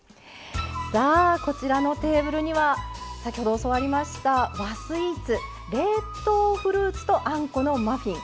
テーブルには先ほど教わりました和スイーツ、冷凍フルーツとあんこのマフィン。